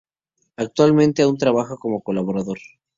Actualmente aún trabaja como colaborador.